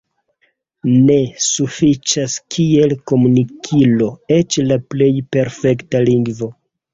Ne sufiĉas kiel komunikilo eĉ la plej perfekta lingvo.